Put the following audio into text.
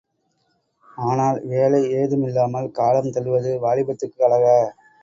ஆனால், வேலை ஏதுமில்லாமல் காலம் தள்ளுவது வாலிபத்துக்கு அழகா?